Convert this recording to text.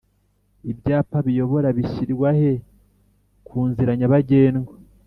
Ibyapa biyobora bishyirwahe kunziranyabagendwa